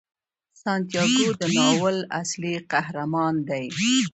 سانتیاګو د ناول اصلي قهرمان دی.